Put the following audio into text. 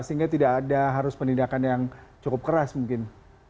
sehingga tidak ada harus penindakan yang cukup keras mungkin